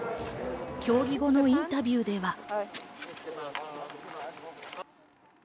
競技後のインタビューでは。